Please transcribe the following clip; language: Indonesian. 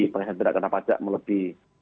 penghasilan yang tidak kena pajak melebih